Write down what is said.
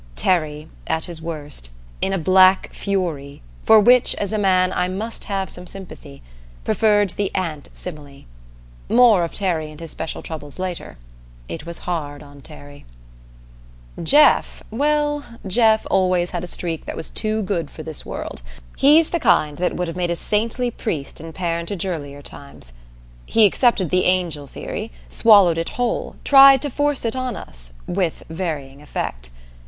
Terry, at his worst, in a black fury for which, as a man, I must have some sympathy, preferred the ant simile. More of Terry and his special troubles later. It was hard on Terry. Jeff well, Jeff always had a streak that was too good for this world! He's the kind that would have made a saintly priest in parentagearlier times. He accepted the angel theory, swallowed it whole, tried to force it on us with varying effect.